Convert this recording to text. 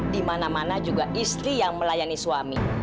di mana mana juga istri yang melayani suami